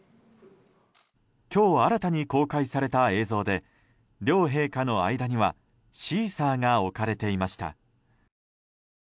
今日新たに公開された映像で両陛下の間にはシーサーが置かれていました。